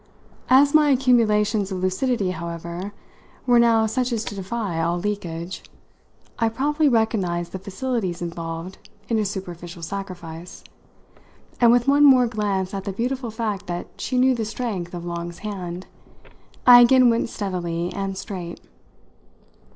As my accumulations of lucidity, however, were now such as to defy all leakage, I promptly recognised the facilities involved in a superficial sacrifice; and with one more glance at the beautiful fact that she knew the strength of Long's hand, I again went steadily and straight.